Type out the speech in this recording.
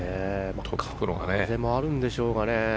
風もあるんでしょうか。